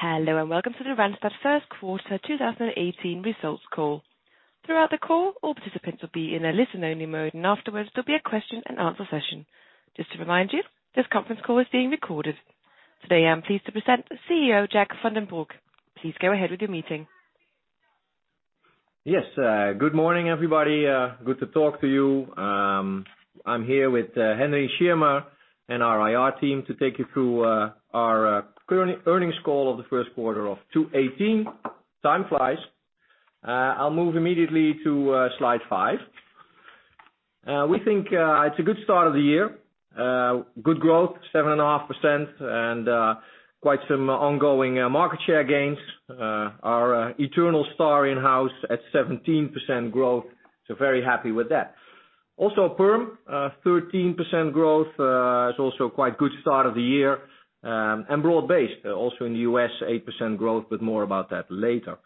Hello, welcome to the Randstad First Quarter 2018 results call. Throughout the call, all participants will be in a listen-only mode, afterwards, there'll be a question and answer session. Just to remind you, this conference call is being recorded. Today, I'm pleased to present CEO Jacques van den Broek. Please go ahead with your meeting. Yes. Good morning, everybody. Good to talk to you. I'm here with Henry Schirmer and our IR team to take you through our current earnings call of the first quarter of 2018. Time flies. I'll move immediately to slide five. We think it's a good start of the year. Good growth, 7.5%, quite some ongoing market share gains. Our eternal star Inhouse at 17% growth, very happy with that. Also perm, 13% growth, is also quite good start of the year, broad-based. Also in the U.S., 8% growth, more about that later.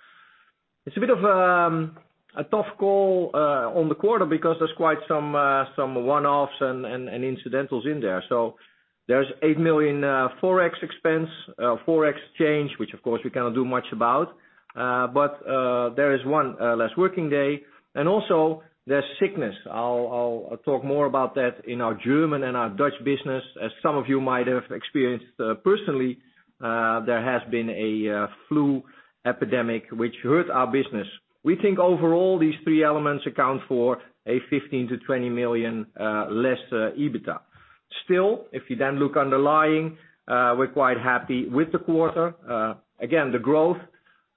It's a bit of a tough call on the quarter because there's quite some one-offs and incidentals in there. There's 8 million Forex expense, Forex change, which of course we cannot do much about. There is one less working day. Also, there's sickness. I'll talk more about that in our German and our Dutch business. As some of you might have experienced personally, there has been a flu epidemic which hurt our business. We think overall, these three elements account for a 15 million-20 million less EBITDA. Still, if you look underlying, we're quite happy with the quarter. Again, the growth,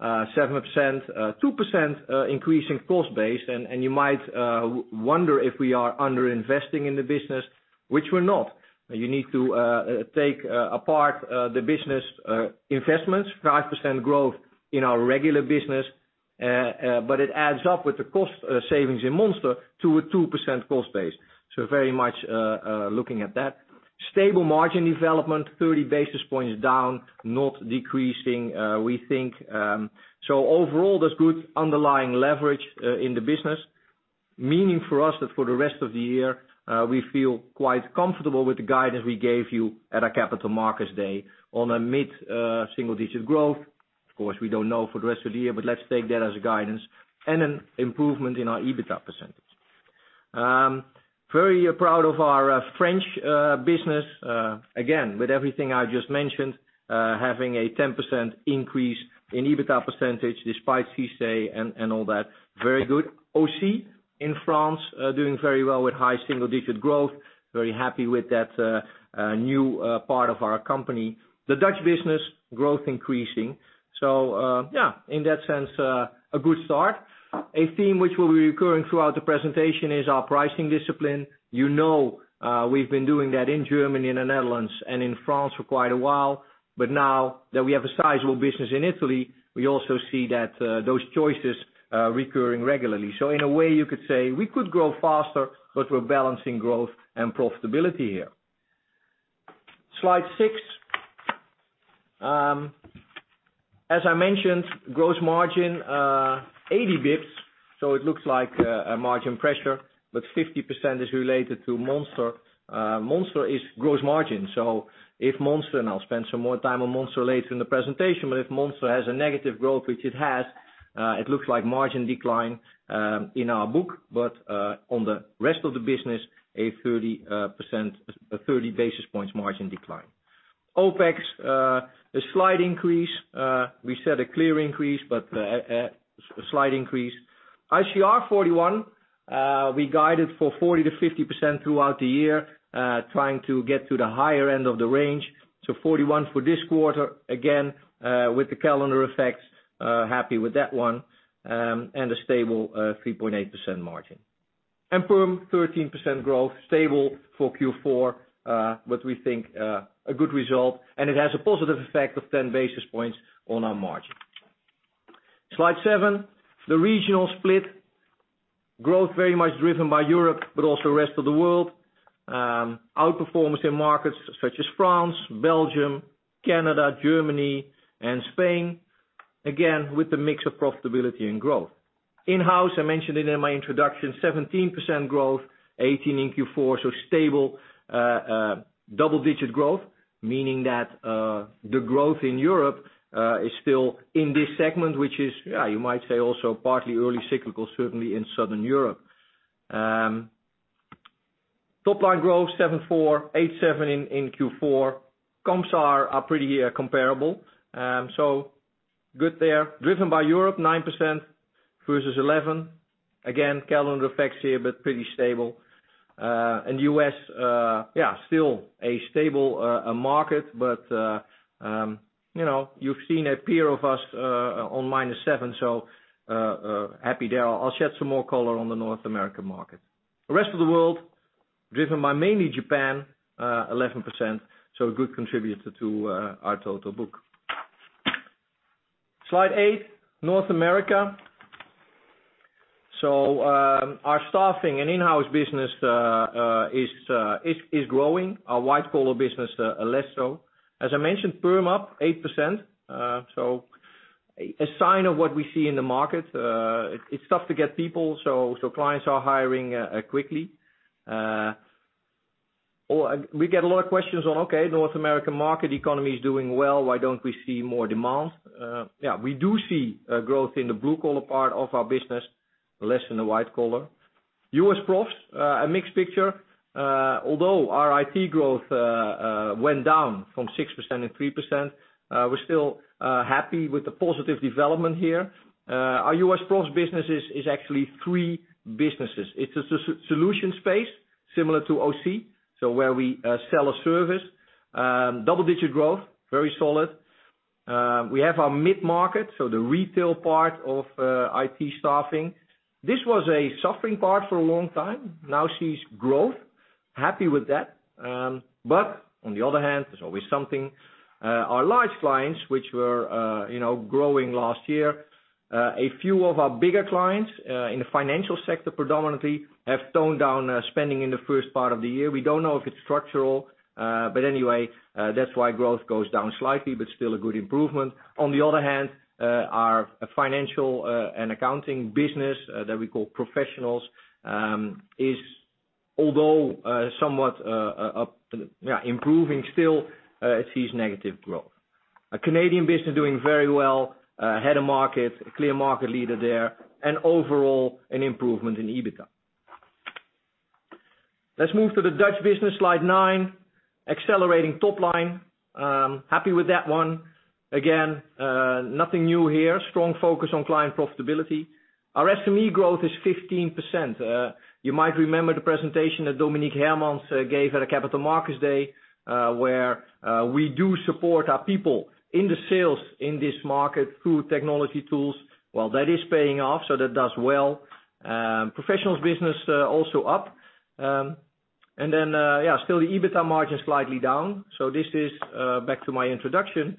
7%, 2% increase in cost base. You might wonder if we are under-investing in the business, which we're not. You need to take apart the business investments, 5% growth in our regular business, it adds up with the cost savings in Monster to a 2% cost base. Very much looking at that. Stable margin development, 30 basis points down, not decreasing, we think. Overall, there's good underlying leverage in the business, meaning for us that for the rest of the year, we feel quite comfortable with the guidance we gave you at our Capital Markets Day on a mid-single-digit growth. Of course, we don't know for the rest of the year, let's take that as a guidance. An improvement in our EBITDA percentage. Very proud of our French business, again, with everything I just mentioned, having a 10% increase in EBITDA percentage despite CICE and all that. Very good. OC in France, doing very well with high single-digit growth. Very happy with that new part of our company. The Dutch business, growth increasing. In that sense, a good start. A theme which will be recurring throughout the presentation is our pricing discipline. You know we've been doing that in Germany and the Netherlands and in France for quite a while, but now that we have a sizable business in Italy, we also see that those choices recurring regularly. In a way, you could say we could grow faster, but we're balancing growth and profitability here. Slide six. As I mentioned, gross margin, 80 basis points. It looks like a margin pressure, but 50% is related to Monster. Monster is gross margin. If Monster, and I'll spend some more time on Monster later in the presentation, but if Monster has a negative growth, which it has, it looks like margin decline in our book, but on the rest of the business, a 30 basis points margin decline. OpEx, a slight increase. We said a clear increase, but a slight increase. ICR 41. We guided for 40%-50% throughout the year, trying to get to the higher end of the range. 41 for this quarter, again, with the calendar effects, happy with that one, and a stable 3.8% margin. Perm, 13% growth, stable for Q4, but we think a good result, and it has a positive effect of 10 basis points on our margin. Slide seven, the regional split. Growth very much driven by Europe, but also rest of the world. Outperformance in markets such as France, Belgium, Canada, Germany, and Spain. Again, with the mix of profitability and growth. Inhouse, I mentioned it in my introduction, 17% growth, 18% in Q4, stable double-digit growth, meaning that the growth in Europe is still in this segment, which is, you might say, also partly early cyclical, certainly in Southern Europe. Top line growth 7.4%, 8.7% in Q4. Comps are pretty comparable. Good there. Driven by Europe, 9% versus 11%. Again, calendar effects here, but pretty stable. U.S., yeah, still a stable market, but you've seen a peer of us on -7%, happy there. I'll shed some more color on the North American market. The rest of the world, driven by mainly Japan, 11%, a good contributor to our total book. Slide eight, North America. Our staffing and Inhouse business is growing. Our white-collar business less so. As I mentioned, perm up 8%, a sign of what we see in the market. It's tough to get people, so clients are hiring quickly. We get a lot of questions on, okay, North American market economy is doing well. Why don't we see more demand? We do see growth in the blue collar part of our business, less in the white collar. U.S. profs, a mixed picture. Although our IT growth went down from 6%-3%, we're still happy with the positive development here. Our U.S. profs business is actually three businesses. It's a solution space similar to OC, where we sell a service. Double-digit growth, very solid. We have our mid-market, the retail part of IT staffing. This was a suffering part for a long time, now sees growth. Happy with that. On the other hand, there's always something. Our large clients, which were growing last year, a few of our bigger clients, in the financial sector predominantly, have toned down spending in the first part of the year. We don't know if it's structural. Anyway, that's why growth goes down slightly, but still a good improvement. On the other hand, our financial and accounting business that we call professionals is, although somewhat improving still, it sees negative growth. Our Canadian business doing very well. Ahead of market, a clear market leader there, and overall an improvement in EBITDA. Let's move to the Dutch business, slide nine. Accelerating top line. Happy with that one. Again, nothing new here. Strong focus on client profitability. Our SME growth is 15%. You might remember the presentation that Dominique Hermans gave at our Capital Markets Day, where we do support our people in the sales in this market through technology tools. Well, that is paying off, so that does well. Professionals business also up. Still the EBITDA margin slightly down. This is back to my introduction.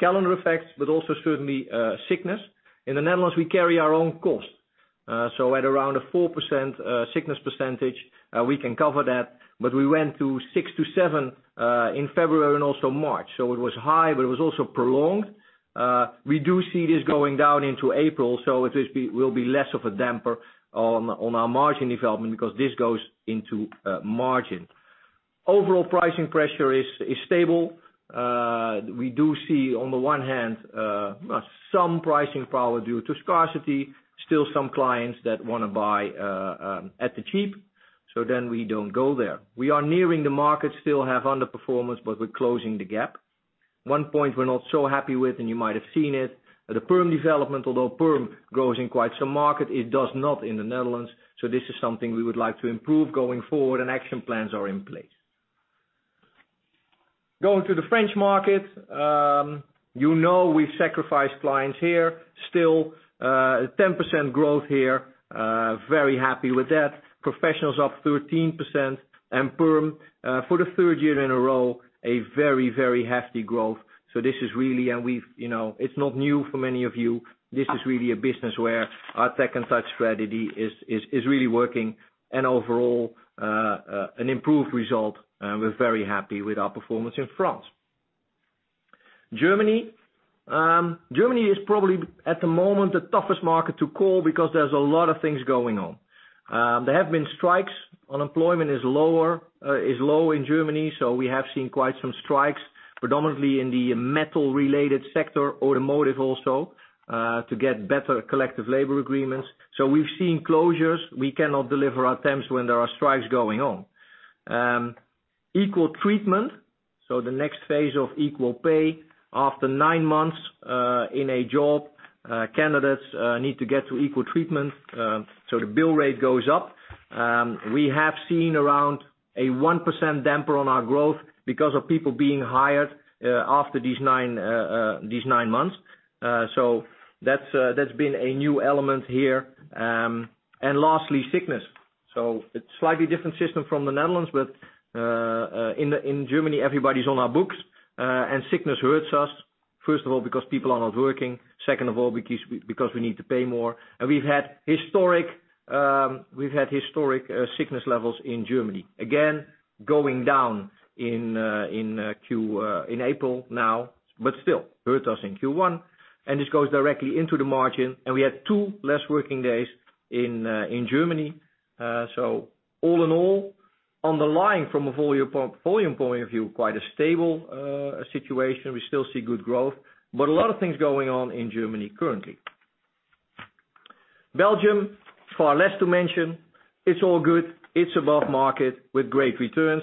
Calendar effects, but also certainly, sickness. In the Netherlands, we carry our own cost. At around a 4% sickness percentage, we can cover that. We went to 6%-7% in February and also March. It was high, but it was also prolonged. We do see this going down into April, it will be less of a damper on our margin development because this goes into margin. Overall pricing pressure is stable. We do see on the one hand, some pricing power due to scarcity. Still some clients that want to buy at the cheap, we don't go there. We are nearing the market, still have underperformance, but we're closing the gap. One point we're not so happy with, and you might have seen it, the perm development. Although perm grows in quite some market, it does not in the Netherlands. This is something we would like to improve going forward, and action plans are in place. Going to the French market. You know we've sacrificed clients here. Still, 10% growth here. Very happy with that. Professionals up 13%, and perm, for the third year in a row, a very hefty growth. This is really, and it's not new for many of you. This is really a business where our tech and touch strategy is really working and overall, an improved result. We're very happy with our performance in France. Germany is probably at the moment the toughest market to call because there's a lot of things going on. There have been strikes. Unemployment is low in Germany, we have seen quite some strikes, predominantly in the metal-related sector, automotive also, to get better collective labor agreements. We've seen closures. We cannot deliver our temps when there are strikes going on. Equal treatment. The next phase of equal pay. After nine months in a job, candidates need to get to equal treatment, the bill rate goes up. We have seen around a 1% damper on our growth because of people being hired after these nine months. That's been a new element here. Lastly, sickness. It's slightly different system from the Netherlands, in Germany, everybody's on our books. Sickness hurts us, first of all, because people are not working, second of all, because we need to pay more. We've had historic sickness levels in Germany. Again, going down in April now, still, hurt us in Q1, this goes directly into the margin. We had two less working days in Germany. All in all, on the line from a volume point of view, quite a stable situation. We still see good growth, but a lot of things going on in Germany currently. Belgium, far less to mention. It's all good. It's above market with great returns.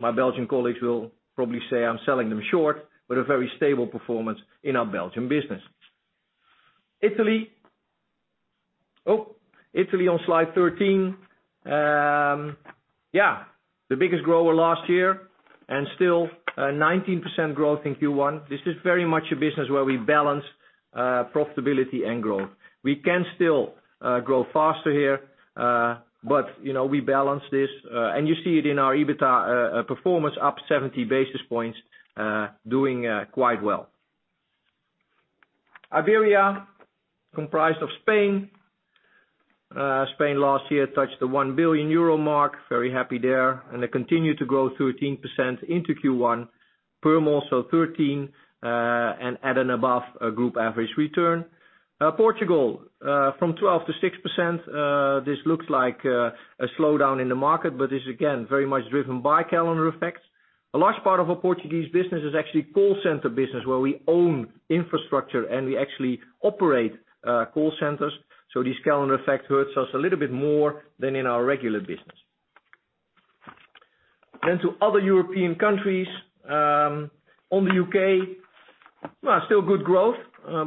My Belgian colleagues will probably say I'm selling them short, but a very stable performance in our Belgian business. Italy. Italy on slide 13. The biggest grower last year and still a 19% growth in Q1. This is very much a business where we balance profitability and growth. We can still grow faster here. We balance this, and you see it in our EBITDA performance up 70 basis points, doing quite well. Iberia, comprised of Spain last year touched the 1 billion euro mark. Very happy there. They continued to grow 13% into Q1. perm also 13%, and at an above group average return. Portugal, from 12% to 6%. This looks like a slowdown in the market, but it's again, very much driven by calendar effects. A large part of our Portuguese business is actually call center business, where we own infrastructure, and we actually operate call centers. This calendar effect hurts us a little bit more than in our regular business. To other European countries. On the U.K., still good growth,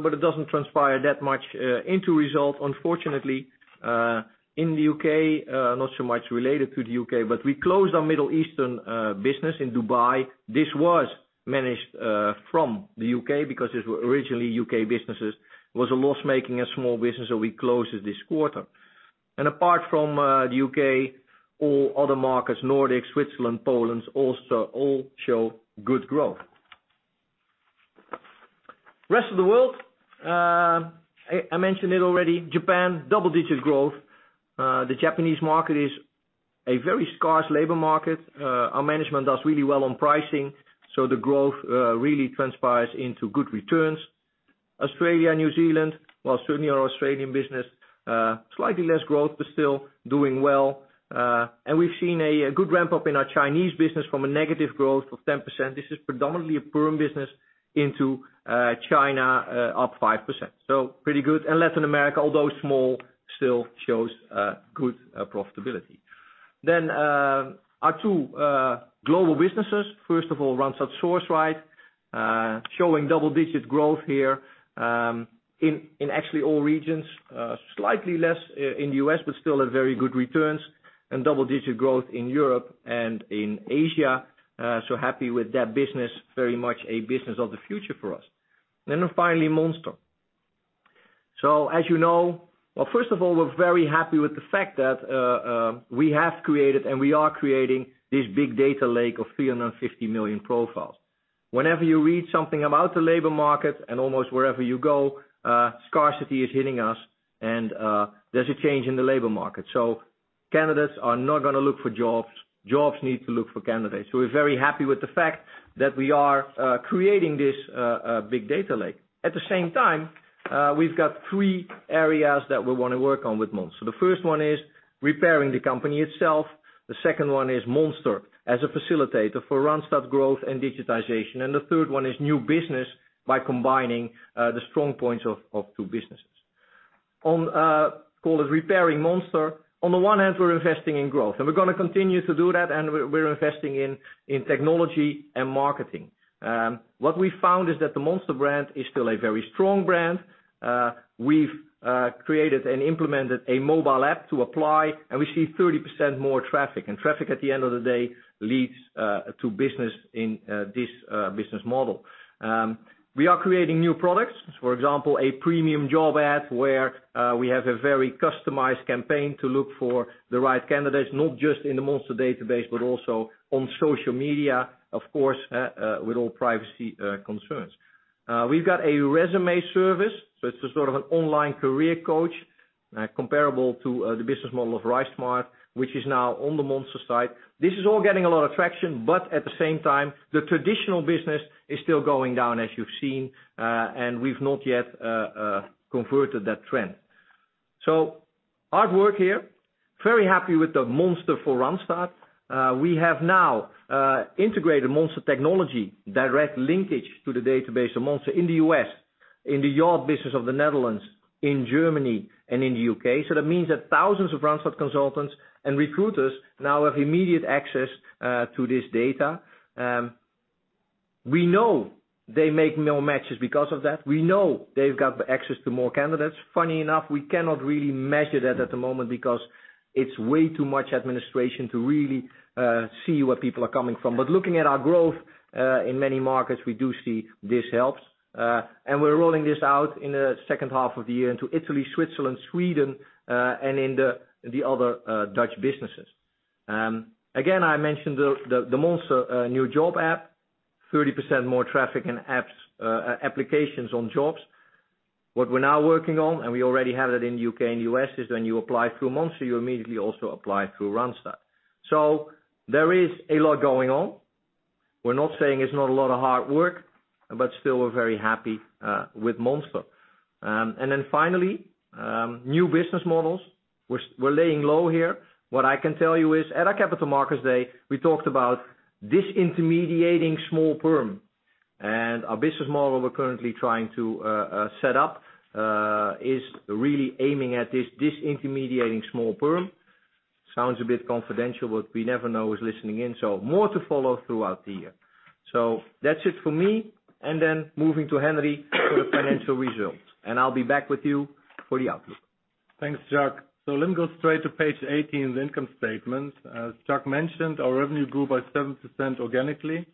but it doesn't transpire that much into result, unfortunately. In the U.K., not so much related to the U.K., but we closed our Middle Eastern business in Dubai. This was managed from the U.K., because these were originally U.K. businesses. It was a loss-making, a small business, so we closed it this quarter. Apart from the U.K., all other markets, Nordic, Switzerland, Poland, all show good growth. Rest of the world. I mentioned it already, Japan, double-digit growth. The Japanese market is a very scarce labor market. The growth really transpires into good returns. Australia and New Zealand, well, certainly our Australian business, slightly less growth, but still doing well. We've seen a good ramp-up in our Chinese business from a negative growth of 10%. This is predominantly a perm business into China, up 5%. Pretty good. Latin America, although small, still shows good profitability. Our two global businesses. First of all, Randstad Sourceright showing double-digit growth here in actually all regions. Slightly less in U.S., but still a very good returns and double-digit growth in Europe and in Asia. Happy with that business. Very much a business of the future for us. Finally, Monster. Well, first of all, we're very happy with the fact that we have created and we are creating this big data lake of 350 million profiles. Whenever you read something about the labor market and almost wherever you go, scarcity is hitting us and there's a change in the labor market. Candidates are not going to look for jobs. Jobs need to look for candidates. We're very happy with the fact that we are creating this big data lake. At the same time, we've got three areas that we want to work on with Monster. The first one is repairing the company itself. The second one is Monster as a facilitator for Randstad growth and digitization. The third one is new business by combining the strong points of two businesses. On call it repairing Monster. On the one hand, we're investing in growth, and we're going to continue to do that, and we're investing in technology and marketing. What we found is that the Monster brand is still a very strong brand. We've created and implemented a mobile app to apply, and we see 30% more traffic. Traffic at the end of the day leads to business in this business model. We are creating new products. For example, a premium job ad where we have a very customized campaign to look for the right candidates, not just in the Monster database, but also on social media, of course, with all privacy concerns. We've got a resume service, so it's a sort of an online career coach, comparable to the business model of RiseSmart, which is now on the Monster site. This is all getting a lot of traction, but at the same time, the traditional business is still going down, as you've seen, and we've not yet converted that trend. Hard work here. Very happy with the Monster for Randstad. We have now integrated Monster technology, direct linkage to the database of Monster in the U.S., in the Yacht business of the Netherlands, in Germany and in the U.K. That means that thousands of Randstad consultants and recruiters now have immediate access to this data. We know they make more matches because of that. We know they've got access to more candidates. Funny enough, we cannot really measure that at the moment because it's way too much administration to really see where people are coming from. Looking at our growth, in many markets, we do see this helps. We're rolling this out in the second half of the year into Italy, Switzerland, Sweden, and in the other Dutch businesses. Again, I mentioned the Monster new job app, 30% more traffic and applications on jobs. What we're now working on, and we already have that in U.K. and U.S., is when you apply through Monster, you immediately also apply through Randstad. There is a lot going on. We're not saying it's not a lot of hard work, but still we're very happy with Monster. Finally, new business models. We're laying low here. What I can tell you is at our Capital Markets Day, we talked about disintermediating small perm. Our business model we're currently trying to set up is really aiming at this disintermediating small perm. Sounds a bit confidential, but we never know who's listening in. More to follow throughout the year. That's it for me. Moving to Henry for the financial results. I'll be back with you for the outlook. Thanks, Jacques. Let me go straight to page 18, the income statement. As Jacques mentioned, our revenue grew by 7% organically.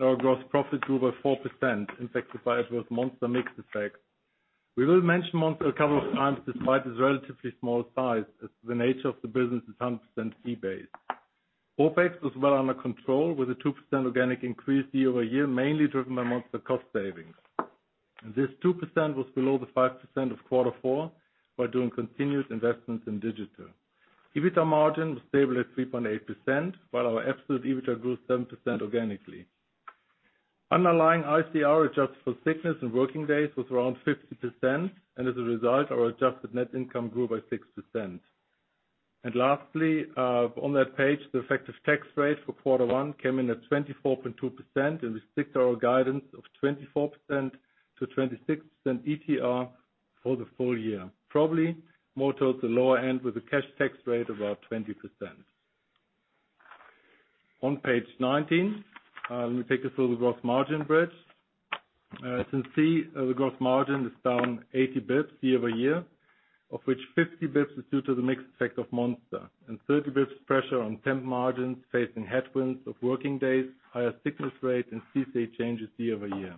Our gross profit grew by 4%, impacted by it was Monster mix effect. We will mention Monster a couple of times despite its relatively small size, as the nature of the business is 100% fee-based. OpEx was well under control with a 2% organic increase year over year, mainly driven by Monster cost savings. This 2% was below the 5% of quarter four, by doing continuous investments in digital. EBITA margin was stable at 3.8%, while our absolute EBITA grew 7% organically. Underlying ICR adjusted for sickness and working days was around 50%, and as a result, our adjusted net income grew by 6%. Lastly, on that page, the effective tax rate for quarter one came in at 24.2%, and we stick to our guidance of 24%-26% ETR for the full year. Probably more towards the lower end with a cash tax rate of about 20%. On page 19, let me take us through the gross margin bridge. As you can see, the gross margin is down 80 bps year over year, of which 50 bps is due to the mixed effect of Monster and 30 bps pressure on temp margins facing headwinds of working days, higher sickness rate, and CICE changes year over year.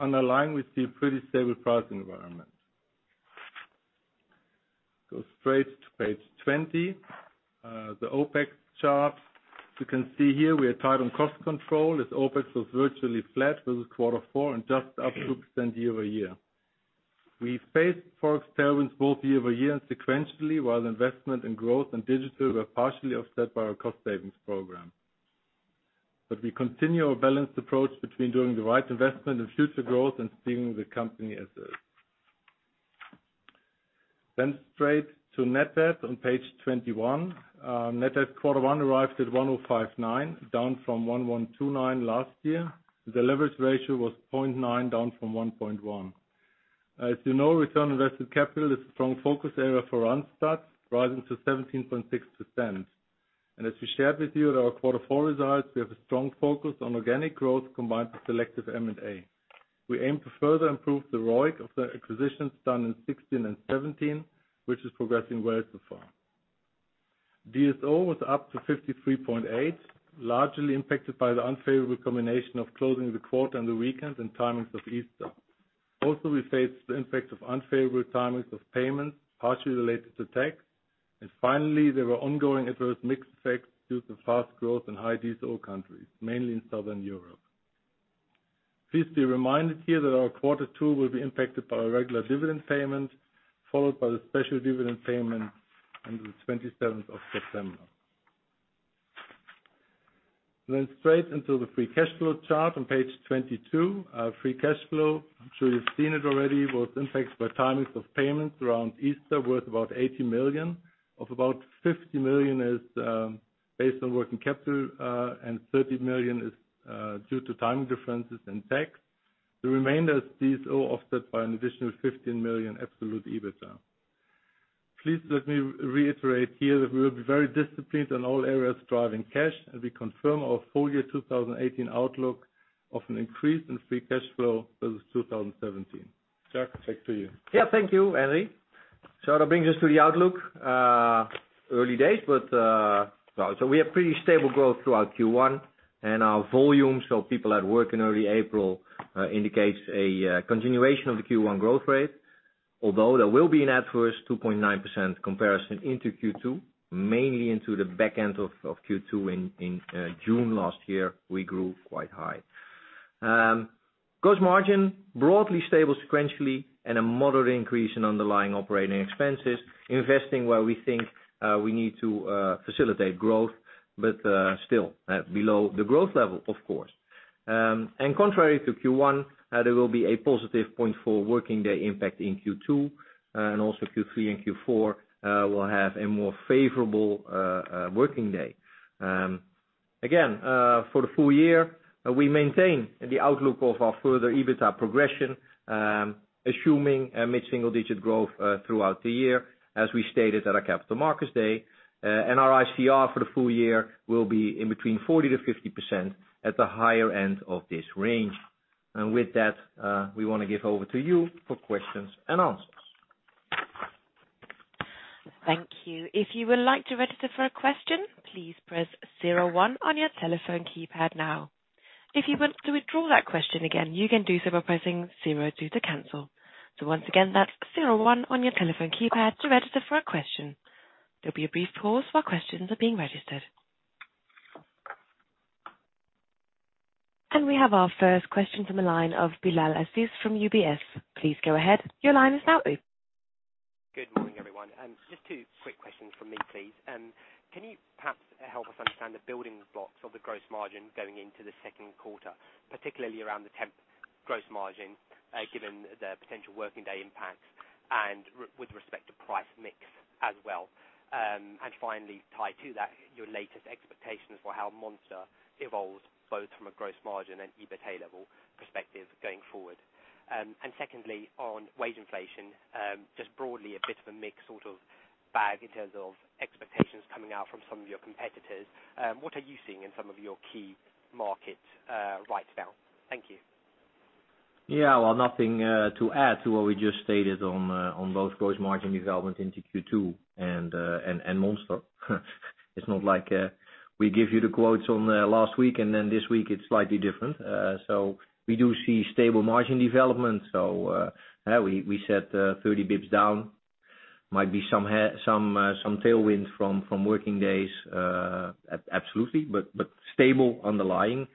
Underlying, we see a pretty stable pricing environment. Go straight to page 20. The OpEx chart. As you can see here, we are tight on cost control, OpEx was virtually flat versus quarter four and just up 2% year over year. We faced Forex tailwinds both year over year and sequentially, while investment in growth and digital were partially offset by our cost savings program. We continue our balanced approach between doing the right investment in future growth and steering the company as is. Straight to net debt on page 21. Net debt quarter one arrived at 1,059, down from 1,129 last year. The leverage ratio was 0.9, down from 1.1. As you know, return on invested capital is a strong focus area for Randstad, rising to 17.6%. As we shared with you in our quarter four results, we have a strong focus on organic growth combined with selective M&A. We aim to further improve the ROIC of the acquisitions done in 2016 and 2017, which is progressing well so far. DSO was up to 53.8, largely impacted by the unfavorable combination of closing the quarter on the weekend and timings of Easter. We faced the impact of unfavorable timings of payments, partially related to tax. Finally, there were ongoing adverse mixed effects due to fast growth in high DSO countries, mainly in Southern Europe. Please be reminded here that our quarter two will be impacted by our regular dividend payment, followed by the special dividend payment on the 27th of September. Straight into the free cash flow chart on page 22. Free cash flow, I'm sure you've seen it already, was impacted by timings of payments around Easter, worth about 80 million. Of about 50 million is based on working capital, and 30 million is due to timing differences in tax. The remainder is DSO offset by an additional 15 million absolute EBITA. Please let me reiterate here that we will be very disciplined in all areas driving cash, and we confirm our full year 2018 outlook of an increase in free cash flow versus 2017. Jacques, back to you. Thank you, Henry. That brings us to the outlook. Early days, but we have pretty stable growth throughout Q1 and our volumes show people at work in early April, indicates a continuation of the Q1 growth rate. Although there will be an adverse 2.9% comparison into Q2, mainly into the back end of Q2 in June last year, we grew quite high. Gross margin, broadly stable sequentially, and a moderate increase in underlying operating expenses. Investing where we think we need to facilitate growth, but still at below the growth level, of course. Contrary to Q1, there will be a positive point for working day impact in Q2, and also Q3 and Q4 will have a more favorable working day. Again, for the full year, we maintain the outlook of our further EBITA progression, assuming a mid-single-digit growth throughout the year, as we stated at our Capital Markets Day. Our ICR for the full year will be in between 40%-50%, at the higher end of this range. With that, we want to give over to you for questions and answers. Thank you. If you would like to register for a question, please press zero one on your telephone keypad now. If you want to withdraw that question again, you can do so by pressing zero two to cancel. Once again, that's zero one on your telephone keypad to register for a question. There'll be a brief pause while questions are being registered. We have our first question from the line of Bilal Aziz from UBS. Please go ahead. Your line is now open. Good morning, everyone. Just two quick questions from me, please. Can you perhaps help us understand the building blocks of the gross margin going into the second quarter, particularly around the temp gross margin, given the potential working day impacts and with respect to price mix as well? Finally, tied to that, your latest expectations for how Monster evolves both from a gross margin and EBITA level perspective going forward. Secondly, on wage inflation, just broadly a bit of a mixed sort of bag in terms of expectations coming out from some of your competitors. What are you seeing in some of your key markets right now? Thank you. Yeah. Well, nothing to add to what we just stated on both gross margin development into Q2 and Monster. It's not like We give you the quotes on last week, and then this week it's slightly different. We do see stable margin development. We set 30 basis points down. Might be some tailwind from working days, absolutely, but stable underlying.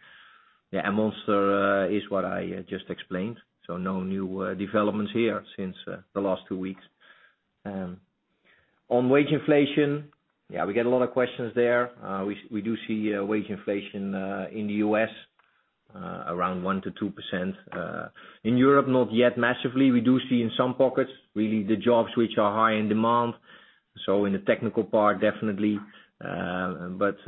Monster is what I just explained. No new developments here since the last two weeks. On wage inflation, we get a lot of questions there. We do see wage inflation in the U.S. around 1%-2%. In Europe, not yet massively. We do see in some pockets, really the jobs which are high in demand. In the technical part, definitely. As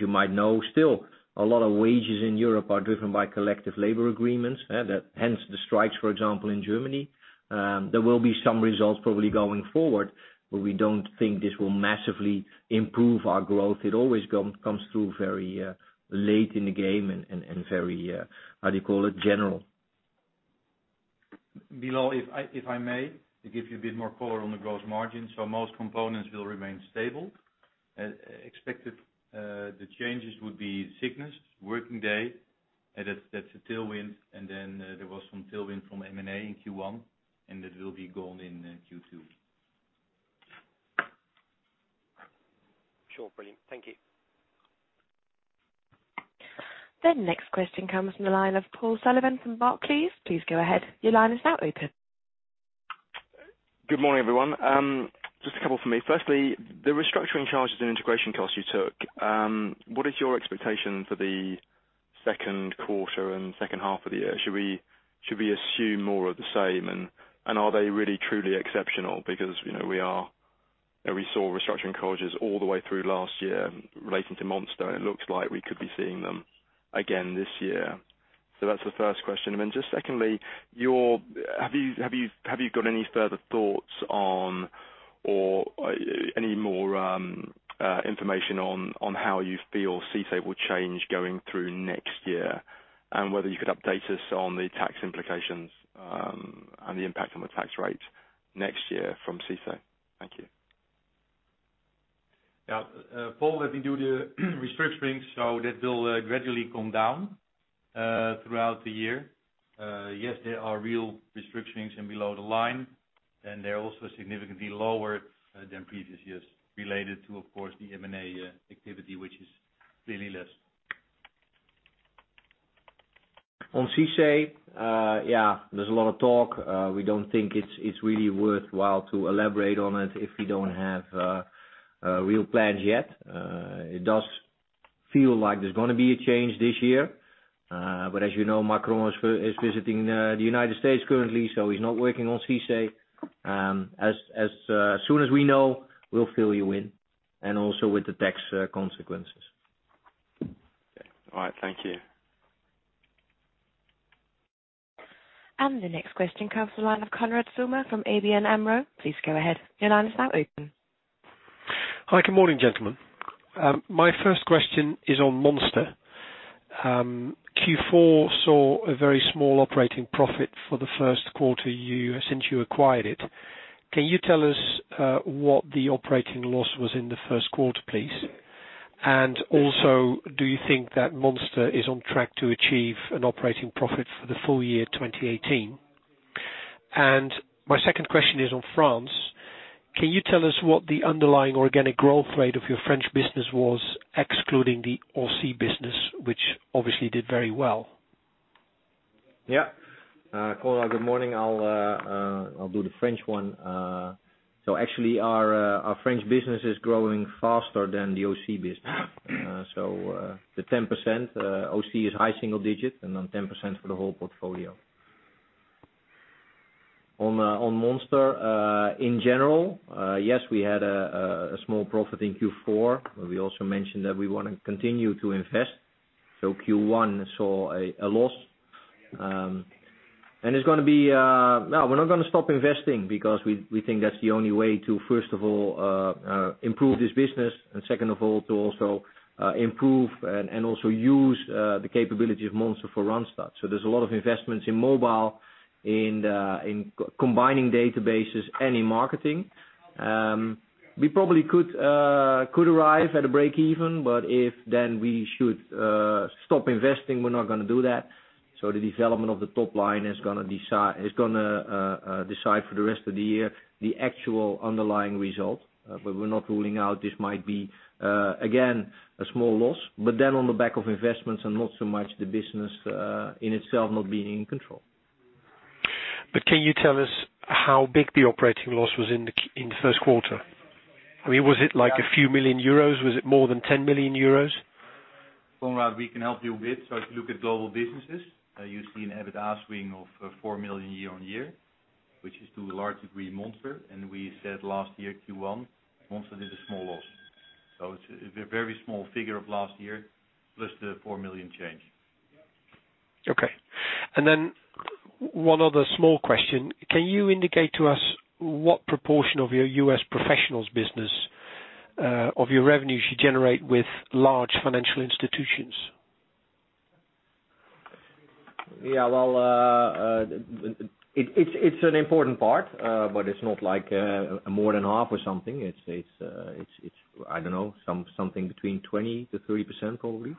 you might know, still a lot of wages in Europe are driven by collective labor agreements. Hence the strikes, for example, in Germany. There will be some results probably going forward, but we don't think this will massively improve our growth. It always comes through very late in the game and very, how do you call it, general. Bilal, if I may, to give you a bit more color on the gross margin. Most components will remain stable. Expected, the changes would be sickness, working day, that's a tailwind, and then there was some tailwind from M&A in Q1, and that will be gone in Q2. Sure, brilliant. Thank you. The next question comes from the line of Paul Sullivan from Barclays. Please go ahead. Your line is now open. Good morning, everyone. Just a couple from me. Firstly, the restructuring charges and integration costs you took. What is your expectation for the second quarter and second half of the year? Should we assume more of the same, and are they really truly exceptional? We saw restructuring charges all the way through last year relating to Monster, and it looks like we could be seeing them again this year. That's the first question. Just secondly, have you got any further thoughts on or any more information on how you feel CICE will change going through next year? And whether you could update us on the tax implications, and the impact on the tax rate next year from CICE. Thank you. Yeah. Paul, let me do the restructuring. That will gradually come down, throughout the year. Yes, they are real restructurings and below the line, and they're also significantly lower than previous years related to, of course, the M&A activity, which is clearly less. On CICE, there's a lot of talk. We don't think it's really worthwhile to elaborate on it if we don't have real plans yet. It does feel like there's going to be a change this year. As you know, Macron is visiting the United States currently, he's not working on CICE. As soon as we know, we'll fill you in, and also with the tax consequences. Okay. All right. Thank you. The next question comes from the line of Konrad Zomer from ABN AMRO. Please go ahead. Your line is now open. Hi, good morning, gentlemen. My first question is on Monster. Q4 saw a very small operating profit for the first quarter since you acquired it. Can you tell us what the operating loss was in the first quarter, please? Do you think that Monster is on track to achieve an operating profit for the full year 2018? My second question is on France. Can you tell us what the underlying organic growth rate of your French business was, excluding the OC business, which obviously did very well? Yeah. Konrad, good morning. I'll do the French one. Actually, our French business is growing faster than the OC business. The 10%, OC is high single digits, then 10% for the whole portfolio. On Monster, in general, yes, we had a small profit in Q4, but we also mentioned that we want to continue to invest. Q1 saw a loss. We're not going to stop investing because we think that's the only way to, first of all, improve this business and second of all, to also improve and also use the capability of Monster for Randstad. There's a lot of investments in mobile, in combining databases and in marketing. We probably could arrive at a break even, but if then we should stop investing, we're not going to do that. The development of the top line is going to decide for the rest of the year the actual underlying result. We're not ruling out this might be, again, a small loss. On the back of investments and not so much the business, in itself not being in control. Can you tell us how big the operating loss was in the first quarter? Was it like a few million EUR? Was it more than 10 million euros? Konrad, we can help you a bit. If you look at global businesses, you see an EBITA swing of 4 million year-over-year, which is to a large degree, Monster. We said last year, Q1, Monster did a small loss. It's a very small figure of last year, plus the 4 million change. One other small question. Can you indicate to us what proportion of your US Professionals business, of your revenue, do you generate with large financial institutions? Yeah. Well, it's an important part, but it's not more than half or something. It's, I don't know, something between 20%-30%, probably.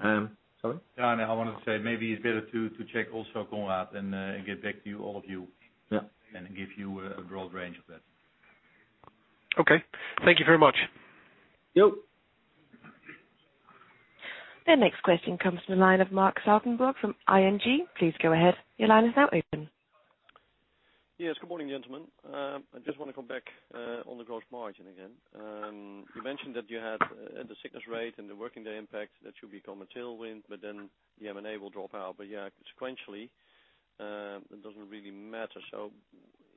Sorry? No, I wanted to say, maybe it's better to check also, Conrad, and get back to all of you. Yeah. Give you a broad range of that. Okay. Thank you very much. Yep. The next question comes from the line of Marc Zwartsenburg from ING. Please go ahead. Your line is now open. Yes. Good morning, gentlemen. I just want to come back on the gross margin again. You mentioned that you had the sickness rate and the working day impact that should become a tailwind, then the M&A will drop out. Yeah, sequentially, that doesn't really matter.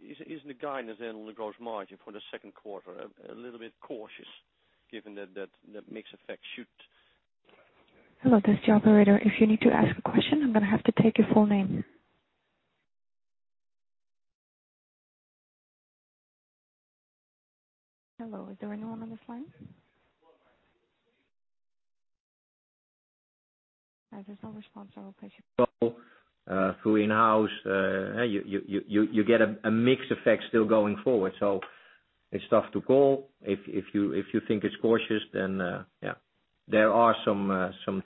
Is the guidance then on the gross margin for the second quarter a little bit cautious given that the mix effect should Hello, this is the operator. If you need to ask a question, I'm going to have to take your full name. Hello, is there anyone on this line? As there's no response, I will place you- Well, through Inhouse, you get a mixed effect still going forward. It's tough to call. If you think it's cautious, then, yeah. There are some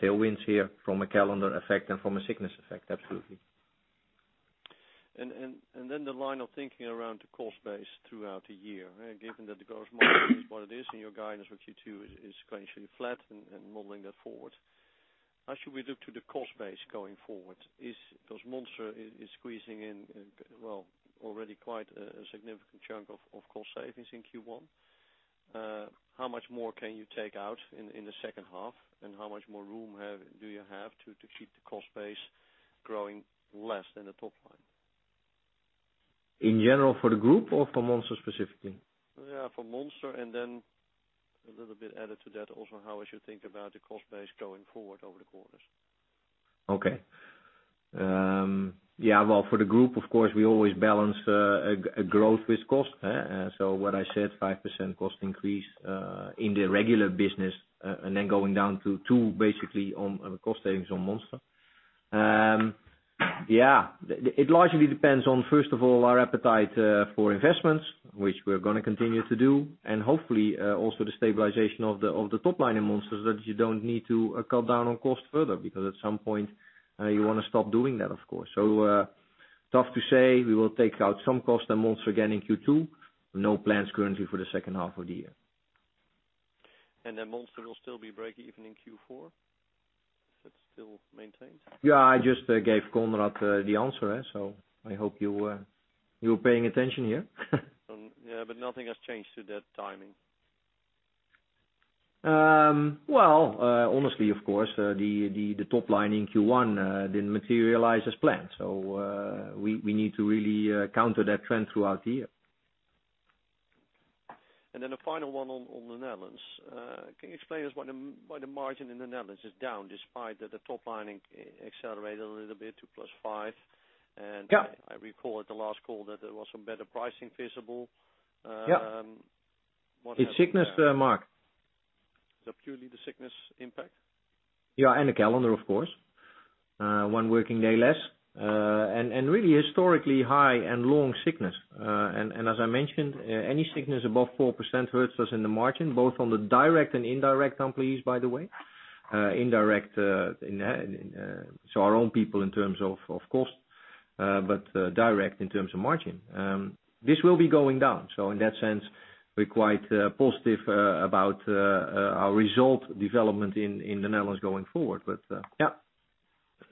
tailwinds here from a calendar effect and from a sickness effect, absolutely. The line of thinking around the cost base throughout the year, given that the gross margin is what it is and your guidance for Q2 is sequentially flat and modeling that forward. How should we look to the cost base going forward? Because Monster is squeezing in, well, already quite a significant chunk of cost savings in Q1. How much more can you take out in the second half? How much more room do you have to keep the cost base growing less than the top line? In general for the group or for Monster specifically? Yeah, for Monster and then a little bit added to that also, how I should think about the cost base going forward over the quarters. Okay. Yeah, well, for the group, of course, we always balance growth with cost. What I said, 5% cost increase in the regular business and then going down to two, basically on cost savings on Monster. Yeah. It largely depends on, first of all, our appetite for investments, which we're going to continue to do, and hopefully also the stabilization of the top line in Monster so that you don't need to cut down on cost further, because at some point you want to stop doing that, of course. Tough to say. We will take out some cost on Monster again in Q2. No plans currently for the second half of the year. Monster will still be breakeven in Q4? Is it still maintained? I just gave Konrad the answer, so I hope you were paying attention here. Nothing has changed to that timing. The top line in Q1 didn't materialize as planned, so we need to really counter that trend throughout the year. A final one on the Netherlands. Can you explain to us why the margin in the Netherlands is down, despite that the top line accelerated a little bit to +5%? Yeah. I recall at the last call that there was some better pricing visible. It's sickness, Marc. Purely the sickness impact? The calendar, of course. One working day less. Really historically high and long sickness. As I mentioned, any sickness above 4% hurts us in the margin, both on the direct and indirect employees, by the way. Indirect, so our own people in terms of cost, but direct in terms of margin. This will be going down. In that sense, we are quite positive about our result development in the Netherlands going forward.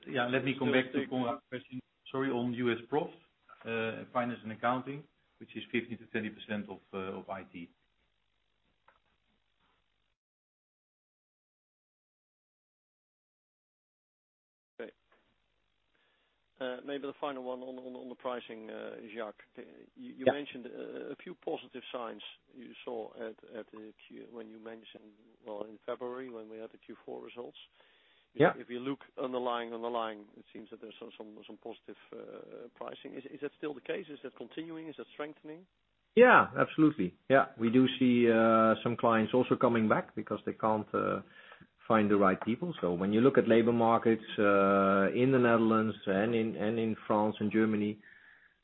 Let me come back to Konrad's question, sorry, on US Professionals, finance and accounting, which is 15%-20% of IT. Maybe the final one on the pricing, Jacques. Yeah. You mentioned a few positive signs you saw when you mentioned, well, in February when we had the Q4 results. Yeah. If you look underlying, it seems that there's some positive pricing. Is that still the case? Is that continuing? Is that strengthening? Absolutely. Yeah. We do see some clients also coming back because they can't find the right people. When you look at labor markets, in the Netherlands and in France and Germany,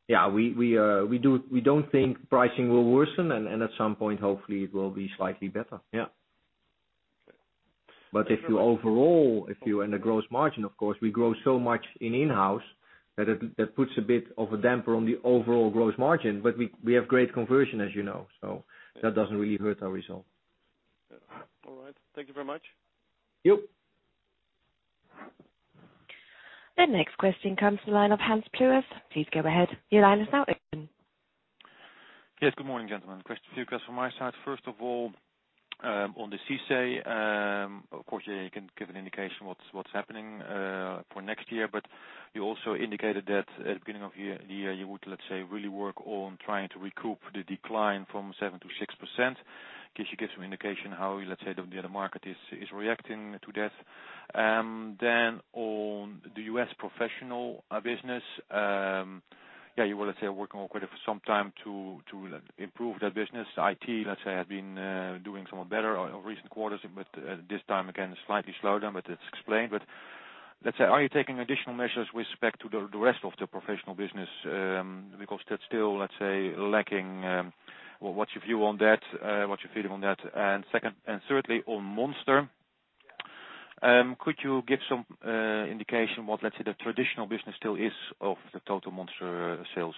we don't think pricing will worsen, and at some point, hopefully it will be slightly better. Yeah. The gross margin, of course, we grow so much in Inhouse that that puts a bit of a damper on the overall gross margin. We have great conversion, as you know, so that doesn't really hurt our result. All right. Thank you very much. Yep. The next question comes from the line of Hans Pluijers. Please go ahead. Your line is now open. Yes, good morning, gentlemen. Question for you, guys, from my side. First of all, on the CICE, of course, you can give an indication what's happening for next year, but you also indicated that at the beginning of the year, you would, let's say, really work on trying to recoup the decline from 7%-6%. Can you give some indication how, let's say, the market is reacting to that? On the US Professionals business- Yeah, you would, let's say, working on it for some time to improve that business. IT, let's say, has been doing somewhat better in recent quarters. This time, again, slightly slowed down, but it's explained. Let's say, are you taking additional measures with respect to the rest of the Professionals business? Because that's still lacking. What's your view on that? What's your feeling on that? Thirdly, on Monster, could you give some indication what, let's say, the traditional business still is of the total Monster sales?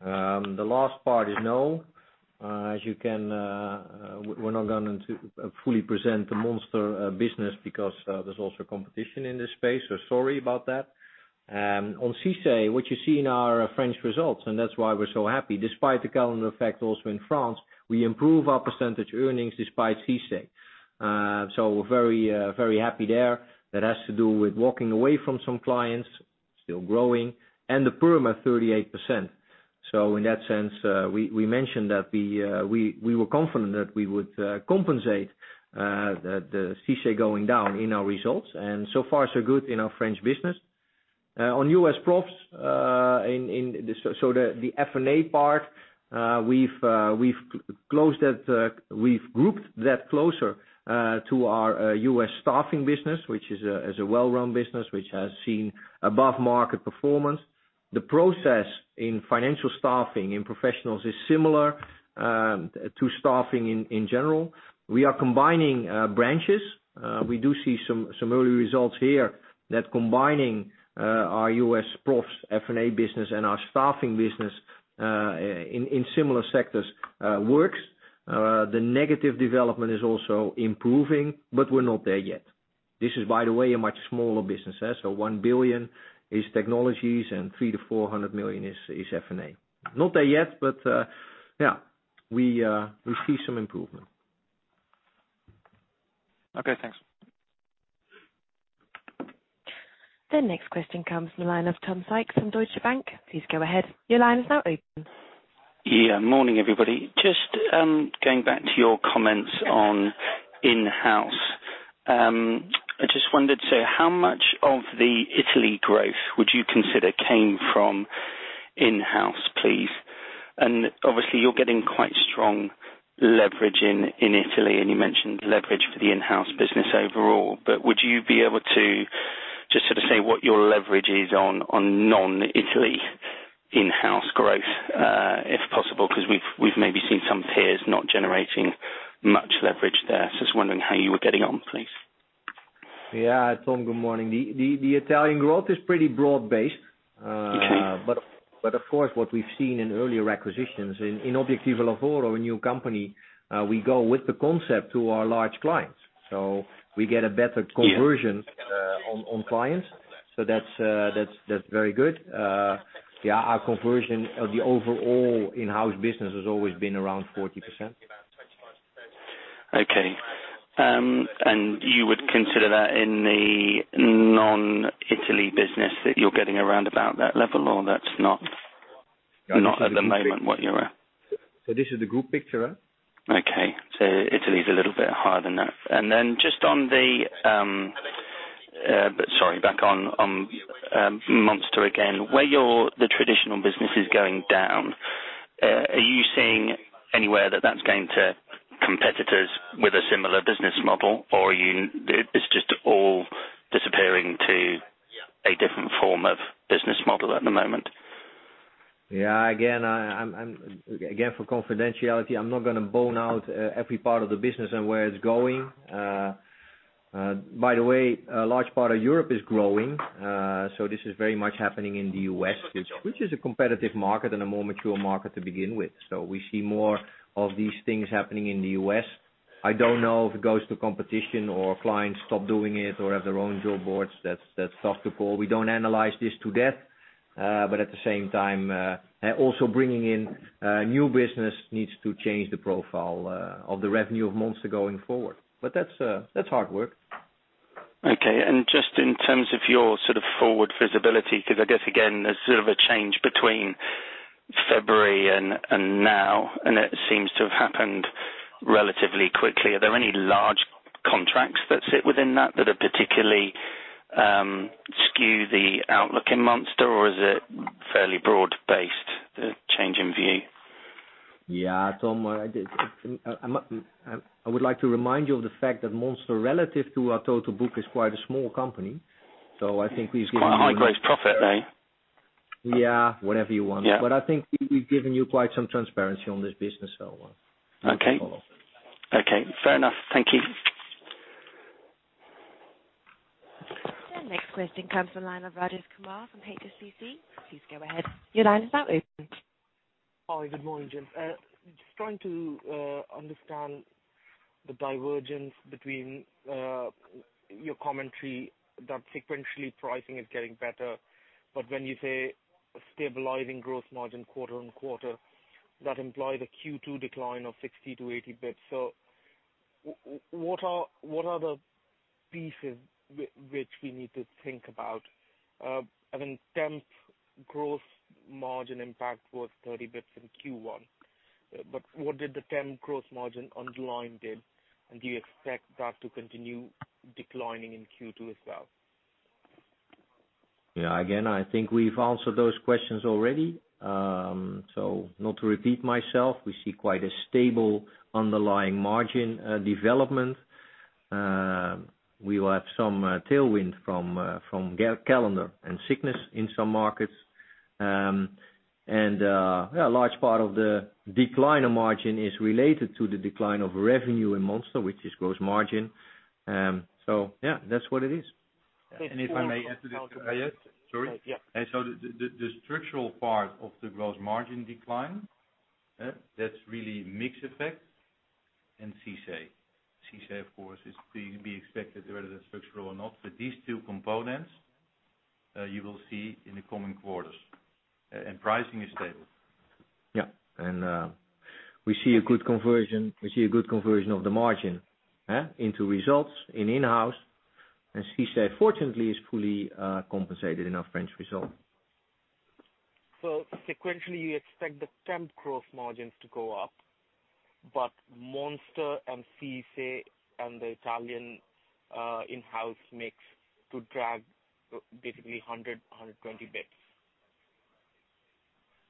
The last part is no. We're not going to fully present the Monster business because there's also competition in this space, sorry about that. On CICE, what you see in our French results, that's why we're so happy. Despite the calendar effect also in France, we improve our percentage earnings despite CICE. We're very happy there. That has to do with walking away from some clients, still growing, and the perm at 38%. In that sense, we mentioned that we were confident that we would compensate the CICE going down in our results, so far, so good in our French business. On US Professionals, so the F&A part, we've grouped that closer to our US staffing business, which is a well-run business, which has seen above-market performance. The process in financial staffing in Professionals is similar to staffing in general. We are combining branches. We do see some early results here that combining our US Professionals F&A business and our staffing business in similar sectors works. The negative development is also improving, we're not there yet. This is, by the way, a much smaller business. $1 billion is technologies and $300 million-$400 million is F&A. Not there yet, yeah, we see some improvement. Okay, thanks. The next question comes from the line of Tom Sykes from Deutsche Bank. Please go ahead. Your line is now open. Yeah. Morning, everybody. Just going back to your comments on Inhouse. How much of the Italy growth would you consider came from Inhouse, please? Obviously, you're getting quite strong leverage in Italy, and you mentioned leverage for the Inhouse business overall, would you be able to just sort of say what your leverage is on non-Italy Inhouse growth, if possible? Because we've maybe seen some peers not generating much leverage there. Just wondering how you were getting on, please. Yeah. Tom, good morning. The Italian growth is pretty broad-based. Okay. Of course, what we've seen in earlier acquisitions, in Obiettivo Lavoro, a new company, we go with the concept to our large clients. We get a better conversion. Yeah On clients. That's very good. Yeah, our conversion of the overall Inhouse business has always been around 40%. Okay. You would consider that in the non-Italy business that you're getting around about that level, or that's not at the moment what you're at? This is the group picture. Okay. Italy is a little bit higher than that. Sorry, back on Monster again. Where the traditional business is going down, are you seeing anywhere that that's going to competitors with a similar business model, or it's just all disappearing to a different form of business model at the moment? Yeah. Again, for confidentiality, I'm not going to break out every part of the business and where it's going. By the way, a large part of Europe is growing. This is very much happening in the U.S., which is a competitive market and a more mature market to begin with. We see more of these things happening in the U.S. I don't know if it goes to competition or clients stop doing it or have their own job boards. That's tough to call. We don't analyze this to death. At the same time, also bringing in new business needs to change the profile of the revenue of Monster going forward. That's hard work. Okay. Just in terms of your sort of forward visibility, because I guess, again, there's sort of a change between February and now, and it seems to have happened relatively quickly. Are there any large contracts that sit within that particularly skew the outlook in Monster, or is it fairly broad-based, the change in view? Yeah, Tom. I would like to remind you of the fact that Monster, relative to our total book, is quite a small company. I think we've given you Quite a high gross profit, though. Yeah. Whatever you want. Yeah. I think we've given you quite some transparency on this business. Okay. Fair enough. Thank you. The next question comes from line of Rajesh Kumar from HSBC. Please go ahead. Your line is now open. Hi, good morning, Jim. Just trying to understand the divergence between your commentary that sequentially pricing is getting better. When you say stabilizing gross margin quarter-on-quarter, that implied a Q2 decline of 60-80 bps. What are the pieces which we need to think about? I mean, temp gross margin impact was 30 bps in Q1. What did the temp gross margin underlying did? Do you expect that to continue declining in Q2 as well? Yeah. Again, I think we've answered those questions already. Not to repeat myself, we see quite a stable underlying margin development. We will have some tailwind from calendar and sickness in some markets. A large part of the decline of margin is related to the decline of revenue in Monster, which is gross margin. Yeah, that's what it is. If I may add to that, Rajesh. Sorry. Yeah. The structural part of the gross margin decline, that's really mix effect and CICE. CICE, of course, is being expected, whether that's structural or not. These two components, you will see in the coming quarters. Pricing is stable. Yeah. We see a good conversion of the margin into results in Inhouse. CICE, fortunately, is fully compensated in our French result. Sequentially, you expect the temp gross margins to go up, but Monster and CICE and the Italian Inhouse mix to drag basically 100-120 basis points.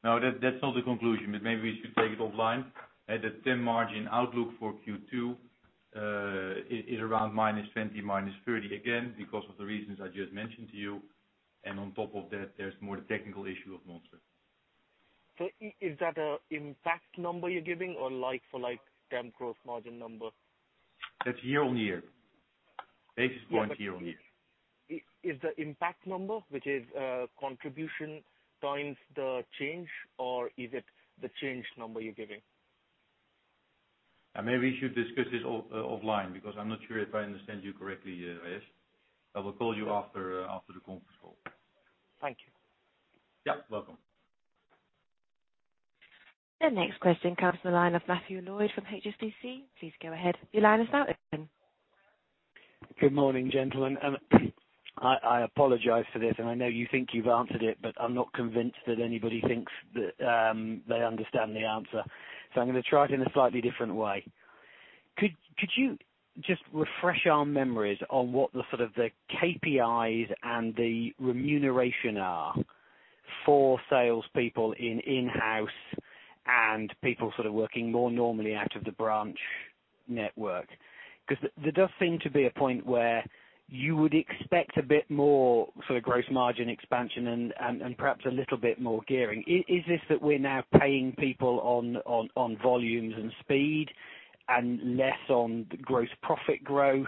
No, that's not the conclusion, but maybe we should take it offline. The temp margin outlook for Q2 is around -20, -30, again, because of the reasons I just mentioned to you. On top of that, there's more the technical issue of Monster. Is that a impact number you're giving or like for like temp gross margin number? That's year on year. Basis point year on year. Is the impact number, which is contribution times the change, or is it the change number you're giving? Maybe we should discuss this offline, because I'm not sure if I understand you correctly, Hayat. I will call you after the conference call. Thank you. Yeah, welcome. The next question comes from the line of Matthew Lloyd from HSBC. Please go ahead. Your line is now open. Good morning, gentlemen. I apologize for this, and I know you think you've answered it, but I'm not convinced that anybody thinks that they understand the answer. I'm going to try it in a slightly different way. Could you just refresh our memories on what the sort of the KPIs and the remuneration are for salespeople in Inhouse and people sort of working more normally out of the branch network? There does seem to be a point where you would expect a bit more sort of gross margin expansion and perhaps a little bit more gearing. Is this that we're now paying people on volumes and speed and less on gross profit growth?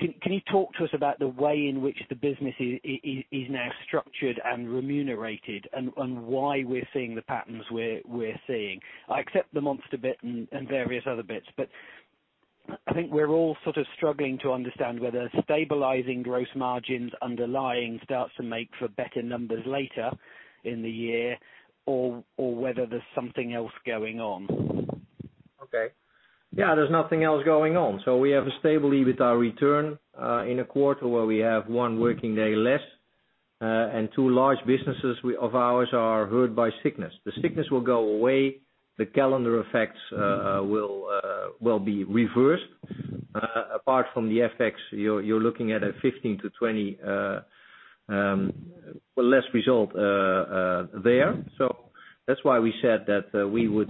Can you talk to us about the way in which the business is now structured and remunerated and why we're seeing the patterns we're seeing? I accept the Monster bit and various other bits, but I think we're all sort of struggling to understand whether stabilizing gross margins underlying starts to make for better numbers later in the year or whether there's something else going on. Okay. Yeah, there's nothing else going on. We have a stable EBITDA return, in a quarter where we have one working day less, and two large businesses of ours are hurt by sickness. The sickness will go away. The calendar effects will be reversed. Apart from the effects, you're looking at a 15%-20% less result there. That's why we said that we're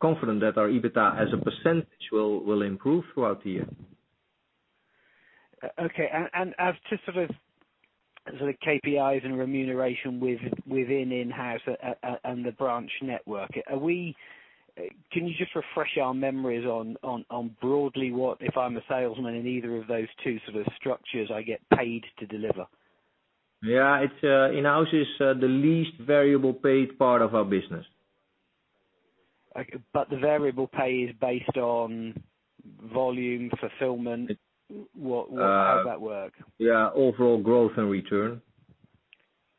confident that our EBITDA as a percentage will improve throughout the year. Okay. As to sort of KPIs and remuneration within Inhouse and the branch network, can you just refresh our memories on broadly what, if I'm a salesman in either of those two sort of structures, I get paid to deliver? Yeah. Inhouse is the least variable paid part of our business. Okay, the variable pay is based on volume, fulfillment. How does that work? Yeah. Overall growth and return.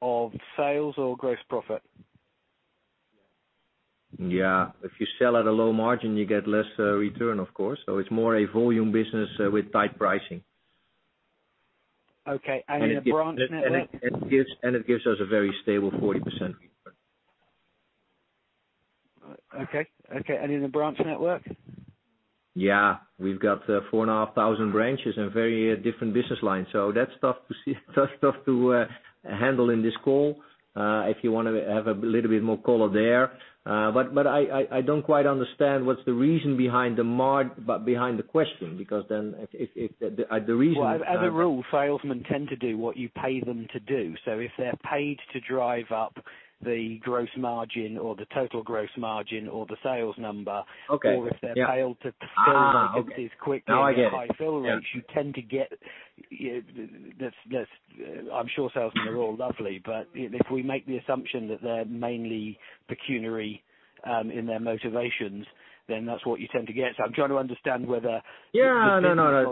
Of sales or gross profit? Yeah. If you sell at a low margin, you get less return, of course. It's more a volume business with tight pricing. Okay. In a branch network? It gives us a very stable 40% return. Okay. In the branch network? We've got four and a half thousand branches and very different business lines. That's tough to handle in this call. If you want to have a little bit more color there. I don't quite understand what's the reason behind the question, because then. As a rule, salesmen tend to do what you pay them to do. If they're paid to drive up the gross margin or the total gross margin or the sales number. Okay. Yeah. If they're paid to fulfill their duties quickly. Oh, I get it. Yeah at high fill rates, you tend to get I'm sure salesmen are all lovely, but if we make the assumption that they're mainly pecuniary in their motivations, then that's what you tend to get. I'm trying to understand whether- Yeah. No.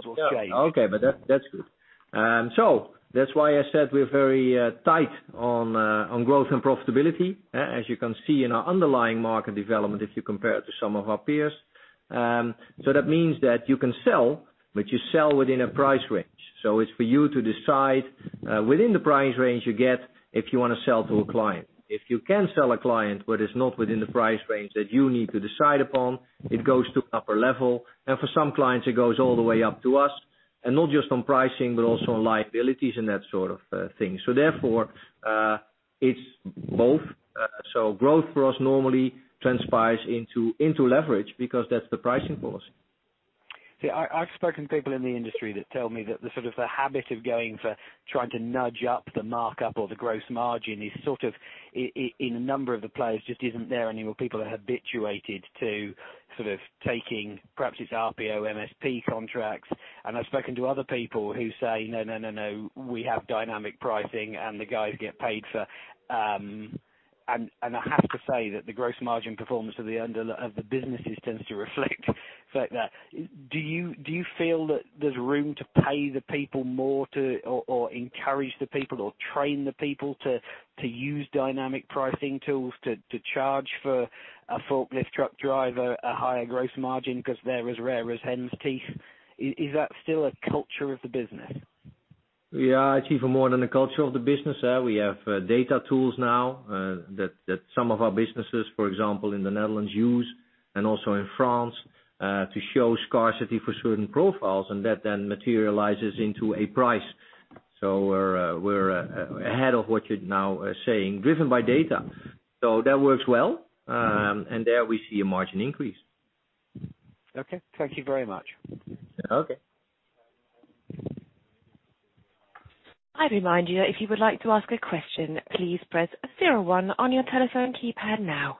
Okay. That's good. That's why I said we're very tight on growth and profitability. As you can see in our underlying market development, if you compare it to some of our peers. That means that you can sell, but you sell within a price range. It's for you to decide within the price range you get if you want to sell to a client. If you can sell a client, but it's not within the price range that you need to decide upon, it goes to upper level, and for some clients it goes all the way up to us, and not just on pricing, but also on liabilities and that sort of thing. Therefore, it's both. Growth for us normally transpires into leverage because that's the pricing policy. See, I've spoken to people in the industry that tell me that the habit of going for trying to nudge up the markup or the gross margin is sort of, in a number of the players, just isn't there anymore. People are habituated to taking, perhaps it's RPO, MSP contracts. I've spoken to other people who say, "No, we have dynamic pricing, and the guys get paid for" I have to say that the gross margin performance of the businesses tends to reflect that. Do you feel that there's room to pay the people more or encourage the people or train the people to use dynamic pricing tools to charge for a forklift truck driver a higher gross margin because they're as rare as hens' teeth? Is that still a culture of the business? Yeah, it's even more than a culture of the business. We have data tools now that some of our businesses, for example, in the Netherlands use, and also in France, to show scarcity for certain profiles, and that then materializes into a price. We're ahead of what you're now saying, driven by data. That works well. There we see a margin increase. Okay. Thank you very much. Okay. I remind you, if you would like to ask a question, please press 01 on your telephone keypad now.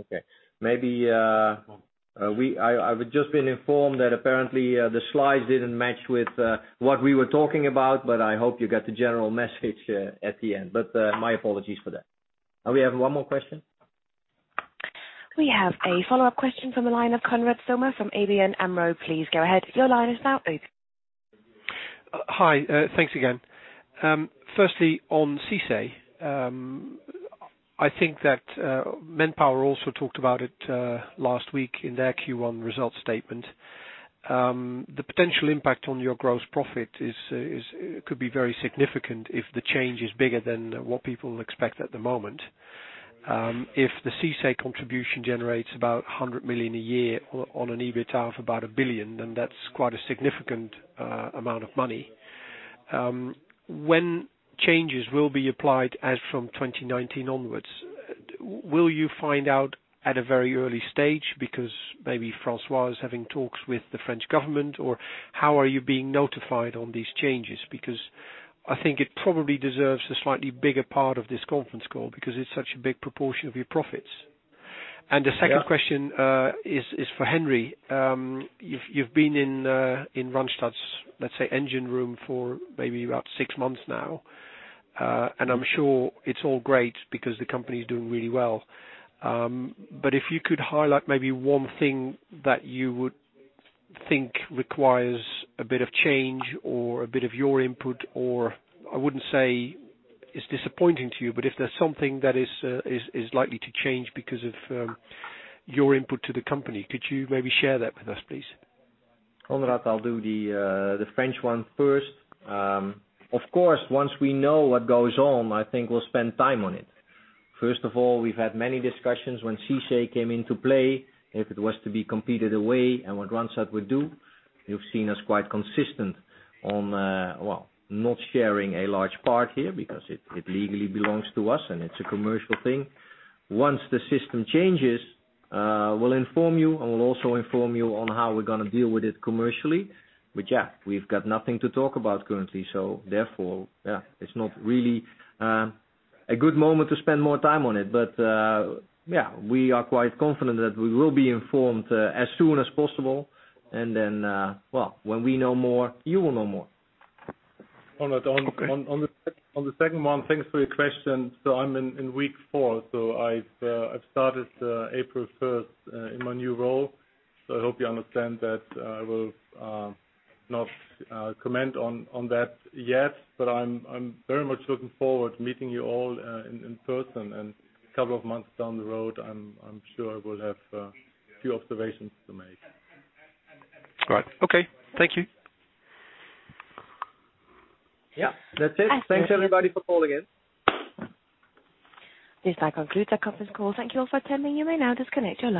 Okay. I've just been informed that apparently, the slides didn't match with what we were talking about, I hope you got the general message at the end. My apologies for that. Are we having one more question? We have a follow-up question from the line of Konrad Zomer from ABN AMRO. Please go ahead. Your line is now open. Hi. Thanks again. Firstly, on CICE. I think that Manpower also talked about it last week in their Q1 results statement. The potential impact on your gross profit could be very significant if the change is bigger than what people expect at the moment. If the CICE contribution generates about 100 million a year on an EBITA of about 1 billion, then that's quite a significant amount of money. When changes will be applied as from 2019 onwards, will you find out at a very early stage because maybe François is having talks with the French Government, or how are you being notified on these changes? I think it probably deserves a slightly bigger part of this conference call because it's such a big proportion of your profits. Yeah. The second question is for Henry. You've been in Randstad's, let's say, engine room for maybe about six months now. I'm sure it's all great because the company is doing really well. If you could highlight maybe one thing that you would think requires a bit of change or a bit of your input, I wouldn't say it's disappointing to you, if there's something that is likely to change because of your input to the company, could you maybe share that with us, please? Konrad, I'll do the French one first. Of course, once we know what goes on, I think we'll spend time on it. First of all, we've had many discussions when CICE came into play, if it was to be competed away and what Randstad would do. You've seen us quite consistent on, well, not sharing a large part here because it legally belongs to us and it's a commercial thing. Once the system changes, we'll inform you and we'll also inform you on how we're going to deal with it commercially. Yeah, we've got nothing to talk about currently. Therefore, yeah, it's not really a good moment to spend more time on it. Yeah, we are quite confident that we will be informed as soon as possible. Then, well, when we know more, you will know more. Konrad, on the second one, thanks for your question. I'm in week four, I've started April 1st in my new role, I hope you understand that I will not comment on that yet. I'm very much looking forward to meeting you all in person, and a couple of months down the road, I'm sure I will have a few observations to make. Right. Okay. Thank you. Yeah. That's it. Thanks, everybody, for calling in. This now concludes our conference call. Thank you all for attending. You may now disconnect your line.